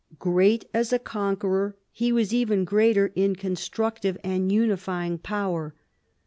Great as a conqueror, he was even greater in constructive and unifying power.